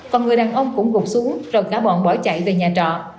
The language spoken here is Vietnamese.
còn người đàn ông cũng gục xuống rồi cả bọn bỏ chạy về nhà trọ